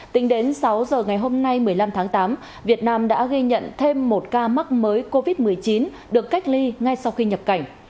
tính đến sáu giờ ngày hôm nay một mươi năm tháng tám việt nam đã ghi nhận thêm một ca mắc mới covid một mươi chín được cách ly ngay sau khi nhập cảnh